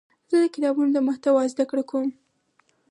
زه د کتابونو د محتوا زده کړه کوم.